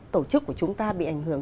tổ chức của chúng ta bị ảnh hưởng